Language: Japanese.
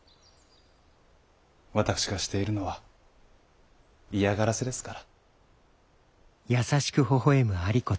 私がしているのは嫌がらせですから。